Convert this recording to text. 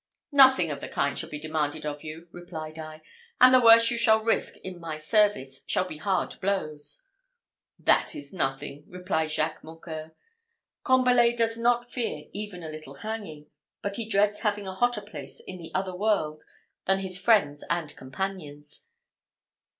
"Nothing of the kind shall be demanded of you," replied I; "and the worst you shall risk in my service shall be hard blows." "That is nothing," replied Jacques Mocqueur. "Combalet does not fear even a little hanging; but he dreads having a hotter place in the other world than his friends and companions.